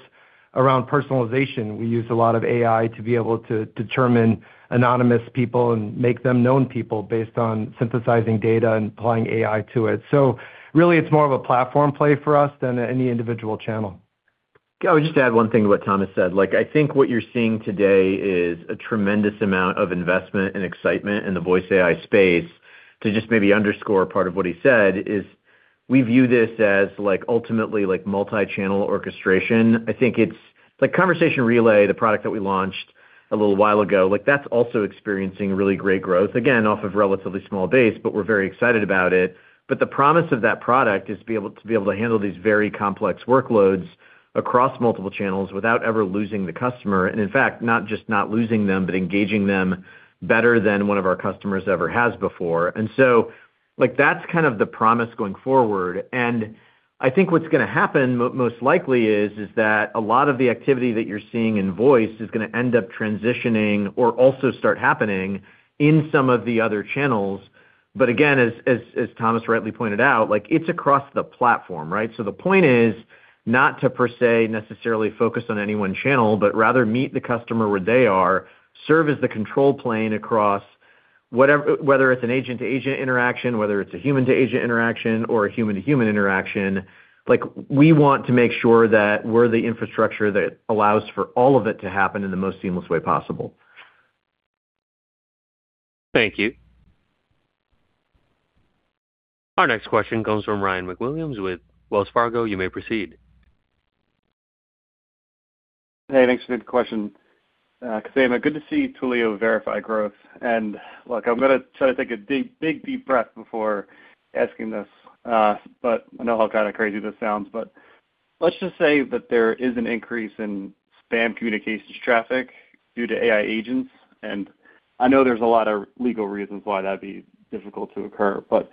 around personalization, we use a lot of AI to be able to determine anonymous people and make them known people based on synthesizing data and applying AI to it. So really, it's more of a platform play for us than any individual channel. Yeah, I would just add one thing to what Thomas said. Like, I think what you're seeing today is a tremendous amount of investment and excitement in the voice AI space. To just maybe underscore part of what he said, is we view this as, like, ultimately, like, multi-channel orchestration. I think it's, like, Conversation Relay, the product that we launched a little while ago, like, that's also experiencing really great growth, again, off of relatively small base, but we're very excited about it. But the promise of that product is be able-- to be able to handle these very complex workloads across multiple channels without ever losing the customer, and in fact, not just not losing them, but engaging them better than one of our customers ever has before. And so, like, that's kind of the promise going forward. I think what's going to happen most likely is that a lot of the activity that you're seeing in voice is going to end up transitioning or also start happening in some of the other channels. But again, as Thomas rightly pointed out, like, it's across the platform, right? So the point is not to, per se, necessarily focus on any one channel, but rather meet the customer where they are, serve as the control plane across whatever, whether it's an agent-to-agent interaction, whether it's a human-to-agent interaction or a human-to-human interaction. Like, we want to make sure that we're the infrastructure that allows for all of it to happen in the most seamless way possible. Thank you. Our next question comes from Ryan MacWilliams with Wells Fargo. You may proceed. Hey, thanks for the question. Good to see Twilio Verify growth. And look, I'm going to try to take a deep, big, deep breath before asking this, but I know how kind of crazy this sounds, but let's just say that there is an increase in spam communications traffic due to AI agents, and I know there's a lot of legal reasons why that'd be difficult to occur, but,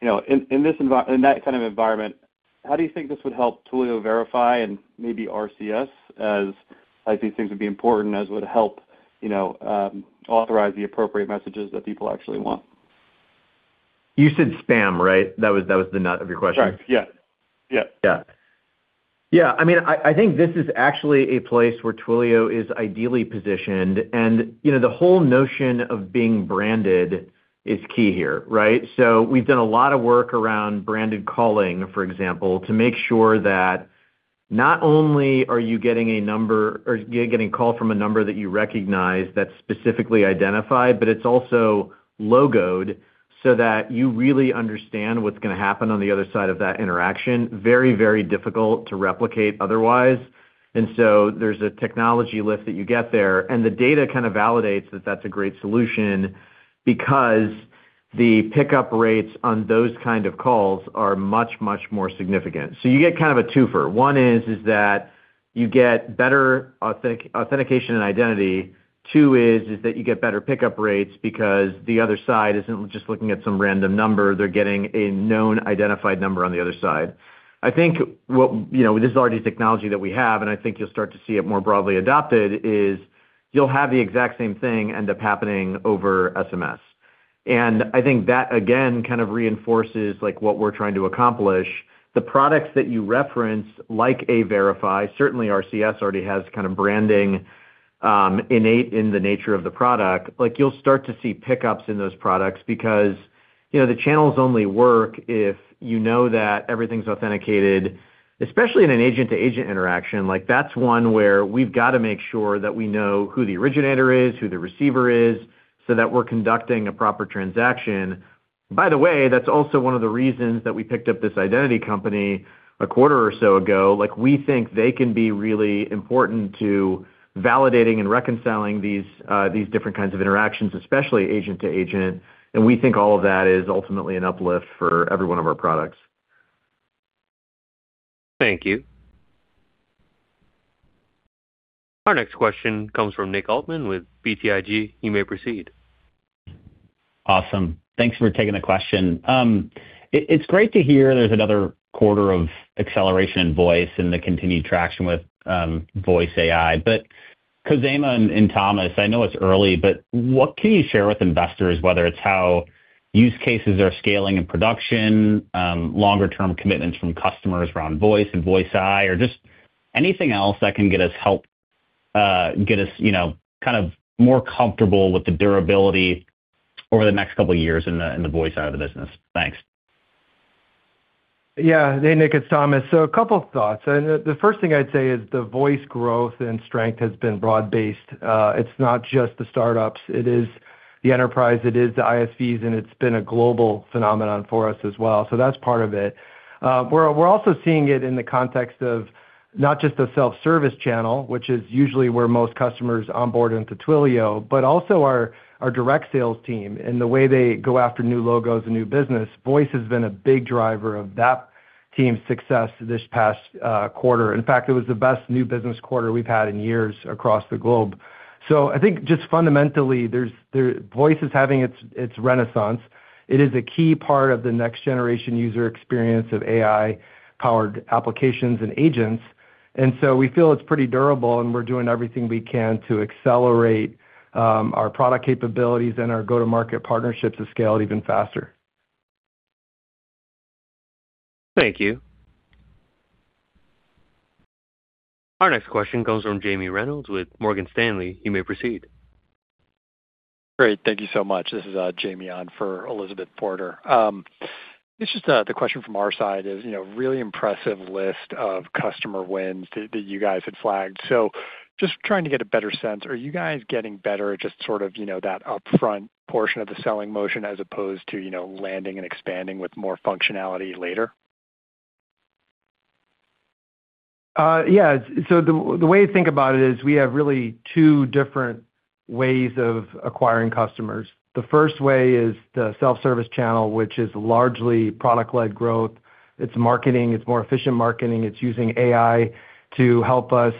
you know, in that kind of environment, how do you think this would help Twilio Verify and maybe RCS, as I think things would be important, as would help, you know, authorize the appropriate messages that people actually want? You said spam, right? That was, that was the nut of your question. Right. Yeah. Yeah. Yeah. Yeah, I mean, I think this is actually a place where Twilio is ideally positioned, and, you know, the whole notion of being branded is key here, right? So we've done a lot of work around branded calling, for example, to make sure that not only are you getting a number or getting a call from a number that you recognize that's specifically identified, but it's also logoed so that you really understand what's going to happen on the other side of that interaction. Very, very difficult to replicate otherwise. And so there's a technology lift that you get there, and the data kind of validates that that's a great solution because the pickup rates on those kind of calls are much, much more significant. So you get kind of a twofer. One is that you get better authentication and identity. Two is that you get better pickup rates because the other side isn't just looking at some random number, they're getting a known, identified number on the other side. I think what... You know, this is already technology that we have, and I think you'll start to see it more broadly adopted, is you'll have the exact same thing end up happening over SMS. And I think that, again, kind of reinforces, like, what we're trying to accomplish. The products that you reference, like Verify, certainly RCS already has kind of branding, innate in the nature of the product. Like, you'll start to see pickups in those products because, you know, the channels only work if you know that everything's authenticated, especially in an agent-to-agent interaction. Like, that's one where we've got to make sure that we know who the originator is, who the receiver is, so that we're conducting a proper transaction. By the way, that's also one of the reasons that we picked up this identity company a quarter or so ago. Like, we think they can be really important to validating and reconciling these different kinds of interactions, especially agent to agent, and we think all of that is ultimately an uplift for every one of our products. Thank you. Our next question comes from Nick Altmann with BTIG. You may proceed. Awesome. Thanks for taking the question. It's great to hear there's another quarter of acceleration in voice and the continued traction with voice AI. But Khozema and Thomas, I know it's early, but what can you share with investors, whether it's how use cases are scaling in production, longer term commitments from customers around voice and voice AI, or just anything else that can get us help, get us, you know, kind of more comfortable with the durability over the next couple of years in the voice side of the business? Thanks. Yeah. Hey, Nick, it's Thomas. So a couple of thoughts. The first thing I'd say is the voice growth and strength has been broad-based. It's not just the startups, it is the enterprise, it is the ISVs, and it's been a global phenomenon for us as well. So that's part of it. We're also seeing it in the context of not just the self-service channel, which is usually where most customers onboard into Twilio, but also our direct sales team and the way they go after new logos and new business. Voice has been a big driver of that team's success this past quarter. In fact, it was the best new business quarter we've had in years across the globe.... So I think just fundamentally, there's the voice is having its, its renaissance. It is a key part of the next generation user experience of AI-powered applications and agents. And so we feel it's pretty durable, and we're doing everything we can to accelerate our product capabilities and our go-to-market partnerships to scale it even faster. Thank you. Our next question comes from Jamie Reynolds with Morgan Stanley. You may proceed. Great. Thank you so much. This is, Jamie on for Elizabeth Porter. It's just, the question from our side is, you know, really impressive list of customer wins that, that you guys had flagged. So just trying to get a better sense, are you guys getting better at just sort of, you know, that upfront portion of the selling motion as opposed to, you know, landing and expanding with more functionality later? Yeah. So the way to think about it is we have really two different ways of acquiring customers. The first way is the self-service channel, which is largely product-led growth. It's marketing, it's more efficient marketing. It's using AI to help us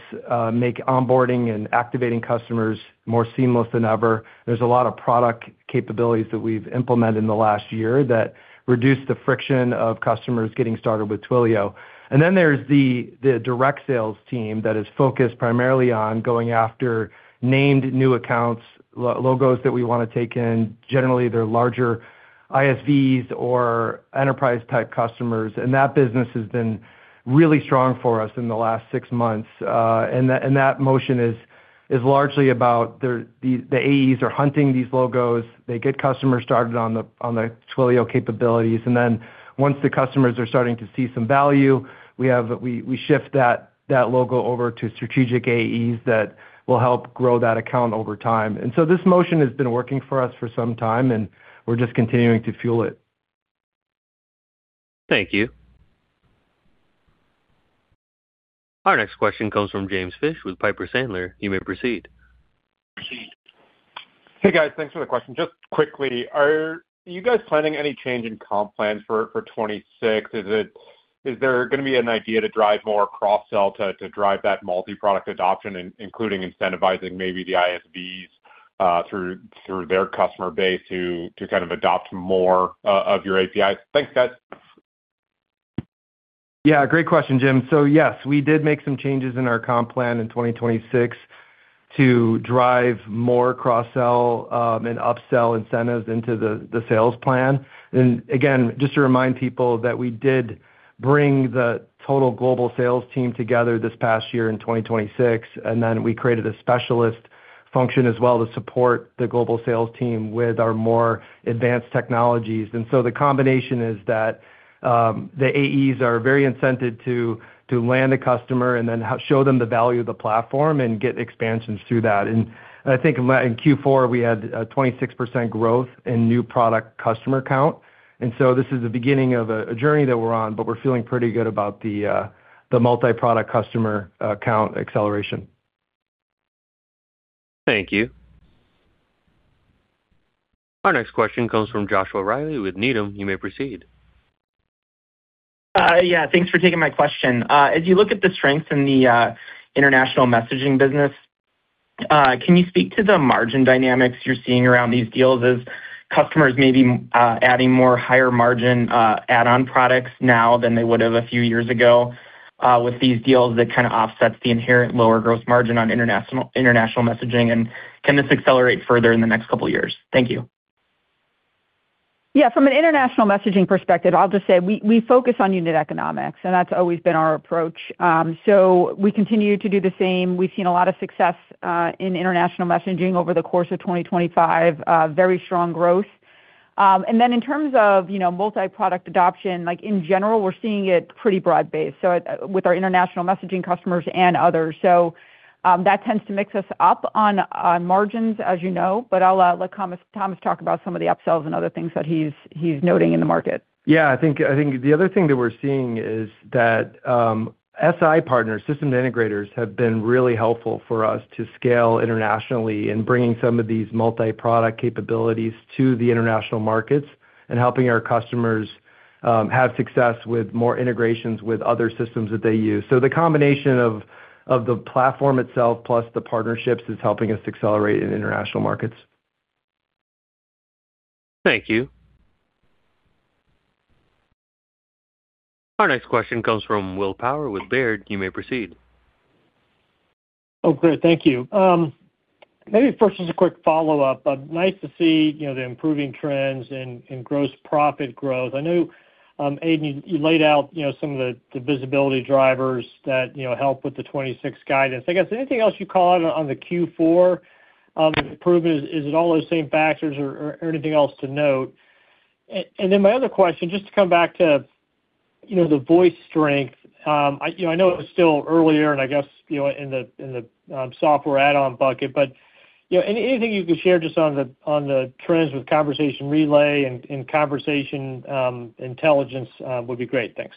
make onboarding and activating customers more seamless than ever. There's a lot of product capabilities that we've implemented in the last year that reduce the friction of customers getting started with Twilio. And then there's the direct sales team that is focused primarily on going after named new accounts, logos that we want to take in. Generally, they're larger ISVs or enterprise-type customers, and that business has been really strong for us in the last six months. And that motion is largely about the AEs are hunting these logos. They get customers started on the Twilio capabilities, and then once the customers are starting to see some value, we shift that logo over to strategic AEs that will help grow that account over time. And so this motion has been working for us for some time, and we're just continuing to fuel it. Thank you. Our next question comes from James Fish with Piper Sandler. You may proceed. Hey, guys. Thanks for the question. Just quickly, are you guys planning any change in comp plans for 2026? Is there gonna be an idea to drive more cross-sell to drive that multi-product adoption, including incentivizing maybe the ISVs through their customer base to kind of adopt more of your APIs? Thanks, guys. Yeah, great question, James. So yes, we did make some changes in our comp plan in 2026 to drive more cross-sell and upsell incentives into the sales plan. And again, just to remind people that we did bring the total global sales team together this past year in 2026, and then we created a specialist function as well to support the global sales team with our more advanced technologies. And so the combination is that the AEs are very incented to land a customer and then show them the value of the platform and get expansions through that. And I think in Q4, we had 26% growth in new product customer count. And so this is the beginning of a journey that we're on, but we're feeling pretty good about the multi-product customer count acceleration. Thank you. Our next question comes from Joshua Reilly with Needham & Company. You may proceed. Yeah, thanks for taking my question. As you look at the strength in the international messaging business, can you speak to the margin dynamics you're seeing around these deals as customers may be adding more higher margin add-on products now than they would have a few years ago, with these deals that kind of offsets the inherent lower gross margin on international, international messaging, and can this accelerate further in the next couple of years? Thank you. Yeah, from an international messaging perspective, I'll just say we, we focus on unit economics, and that's always been our approach. So we continue to do the same. We've seen a lot of success in international messaging over the course of 2025, very strong growth. And then in terms of, you know, multi-product adoption, like in general, we're seeing it pretty broad-based, so it with our international messaging customers and others. So, that tends to mix us up on, on margins, as you know, but I'll let Thomas, Thomas talk about some of the upsells and other things that he's, he's noting in the market. Yeah, I think, I think the other thing that we're seeing is that, SI partners, system integrators, have been really helpful for us to scale internationally in bringing some of these multi-product capabilities to the international markets and helping our customers, have success with more integrations with other systems that they use. So the combination of, of the platform itself plus the partnerships is helping us accelerate in international markets. Thank you. Our next question comes from Will Power with Baird. You may proceed. Oh, great. Thank you. Maybe first, just a quick follow-up, but nice to see, you know, the improving trends in gross profit growth. I know, Aidan, you laid out, you know, some of the visibility drivers that, you know, help with the 2026 guidance. I guess, anything else you call out on the Q4 improvements? Is it all those same factors or anything else to note? And then my other question, just to come back to, you know, the voice strength. I know it was still earlier, and I guess, you know, in the software add-on bucket, but, you know, anything you could share just on the trends with conversation relay and conversational intelligence would be great. Thanks.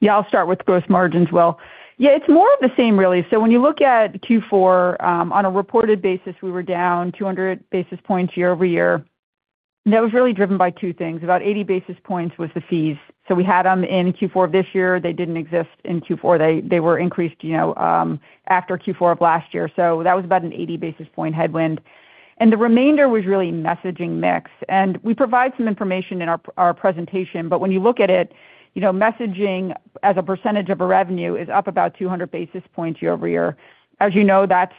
Yeah, I'll start with gross margins, Will. Yeah, it's more of the same, really. So when you look at Q4, on a reported basis, we were down 200 basis points year-over-year. That was really driven by two things. About 80 basis points was the fees. So we had them in Q4 of this year. They didn't exist in Q4. They, they were increased, you know, after Q4 of last year. So that was about an 80 basis point headwind, and the remainder was really messaging mix. And we provide some information in our presentation, but when you look at it, you know, messaging as a percentage of a revenue is up about 200 basis points year-over-year. As you know, that's,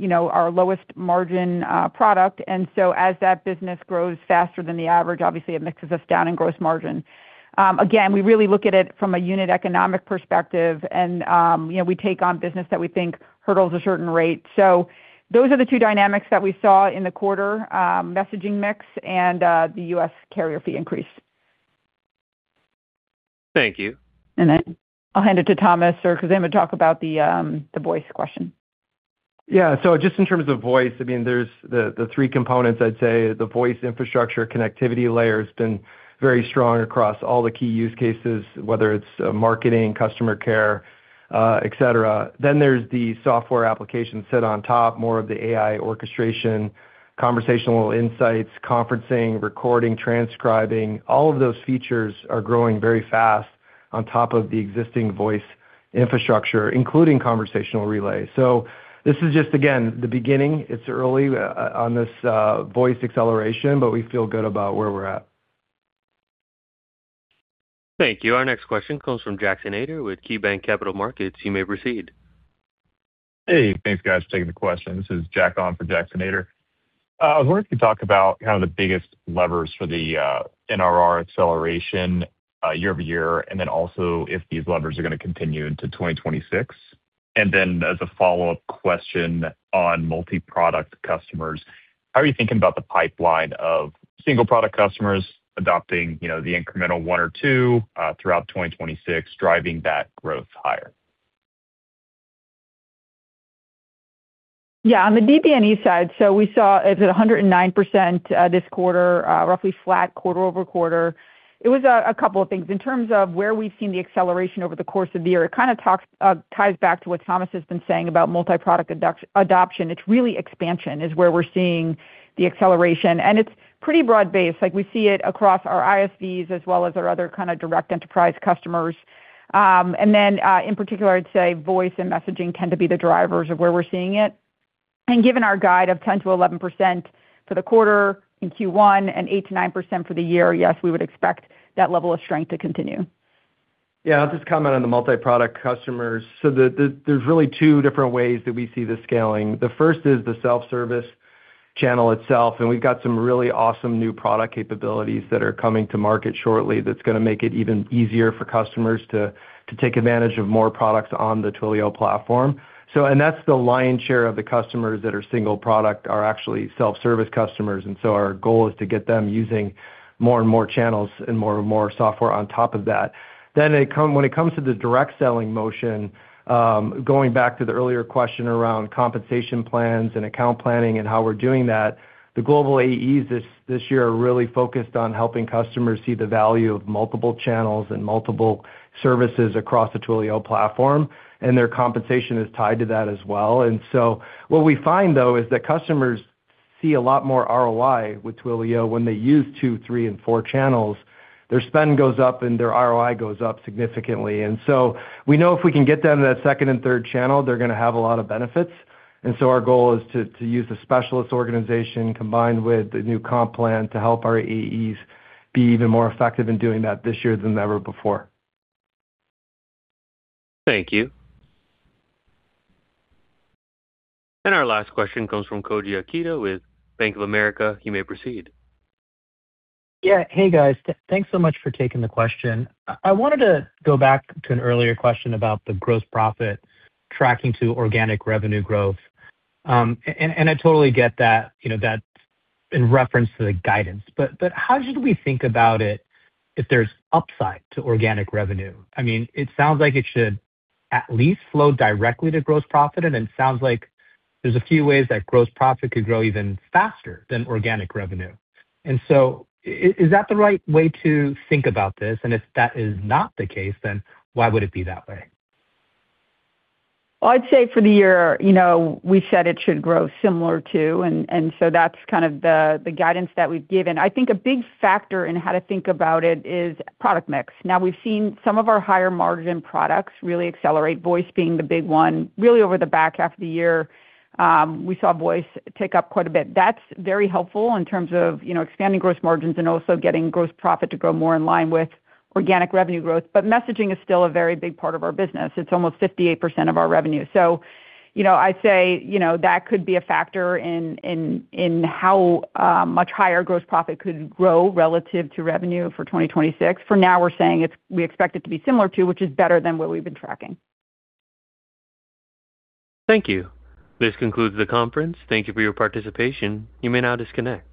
you know, our lowest margin product, and so as that business grows faster than the average, obviously it mixes us down in gross margin. Again, we really look at it from a unit economic perspective, and, you know, we take on business that we think hurdles a certain rate. So those are the two dynamics that we saw in the quarter, messaging mix and, the U.S. carrier fee increase. Thank you. And then I'll hand it to Thomas, or because I'm going to talk about the voice question. Yeah, so just in terms of voice, I mean, there's the three components I'd say. The voice infrastructure connectivity layer has been very strong across all the key use cases, whether it's marketing, customer care, et cetera. Then there's the software application sit on top, more of the AI orchestration, conversational insights, conferencing, recording, transcribing, all of those features are growing very fast on top of the existing voice infrastructure, including conversation relay. So this is just, again, the beginning. It's early on this voice acceleration, but we feel good about where we're at. Thank you. Our next question comes from Jackson Ader with KeyBanc Capital Markets. You may proceed. Hey, thanks, guys, for taking the question. This is Jack on for Jackson Ader. I was wondering if you could talk about kind of the biggest levers for the NRR acceleration year-over-year, and then also if these levers are gonna continue into 2026. And then as a follow-up question on multiproduct customers, how are you thinking about the pipeline of single product customers adopting, you know, the incremental one or two throughout 2026, driving that growth higher? Yeah, on the DBNE side, so we saw it at 109%, this quarter, roughly flat quarter-over-quarter. It was a couple of things. In terms of where we've seen the acceleration over the course of the year, it kind of talks, ties back to what Thomas has been saying about multiproduct adoption. It's really expansion, is where we're seeing the acceleration, and it's pretty broad-based. Like, we see it across our ISVs as well as our other kind of direct enterprise customers. And then, in particular, I'd say voice and messaging tend to be the drivers of where we're seeing it. And given our guide of 10%-11% for the quarter in Q1 and 8%-9% for the year, yes, we would expect that level of strength to continue. Yeah, I'll just comment on the multiproduct customers. So, there's really two different ways that we see this scaling. The first is the self-service channel itself, and we've got some really awesome new product capabilities that are coming to market shortly that's gonna make it even easier for customers to take advantage of more products on the Twilio platform. So, and that's the lion's share of the customers that are single product, are actually self-service customers, and so our goal is to get them using more and more channels and more and more software on top of that. When it comes to the direct selling motion, going back to the earlier question around compensation plans and account planning and how we're doing that, the global AEs this year are really focused on helping customers see the value of multiple channels and multiple services across the Twilio platform, and their compensation is tied to that as well. And so what we find, though, is that customers see a lot more ROI with Twilio when they use two, three, and four channels. Their spend goes up, and their ROI goes up significantly. And so we know if we can get them to that second and third channel, they're gonna have a lot of benefits. Our goal is to use the specialist organization, combined with the new comp plan, to help our AEs be even more effective in doing that this year than ever before. Thank you. And our last question comes from Koji Ikeda with Bank of America. You may proceed. Yeah. Hey, guys. Thanks so much for taking the question. I wanted to go back to an earlier question about the gross profit tracking to organic revenue growth. And I totally get that, you know, that's in reference to the guidance, but how should we think about it if there's upside to organic revenue? I mean, it sounds like it should at least flow directly to gross profit, and it sounds like there's a few ways that gross profit could grow even faster than organic revenue. And so is that the right way to think about this? And if that is not the case, then why would it be that way? Well, I'd say for the year, you know, we said it should grow similar too, and, and so that's kind of the, the guidance that we've given. I think a big factor in how to think about it is product mix. Now, we've seen some of our higher margin products really accelerate, voice being the big one. Really, over the back half of the year, we saw voice tick up quite a bit. That's very helpful in terms of, you know, expanding gross margins and also getting gross profit to grow more in line with organic revenue growth. But messaging is still a very big part of our business. It's almost 58% of our revenue. So, you know, I'd say, you know, that could be a factor in, in, in how, much higher gross profit could grow relative to revenue for 2026. For now, we're saying we expect it to be similar to, which is better than what we've been tracking. Thank you. This concludes the conference. Thank you for your participation. You may now disconnect.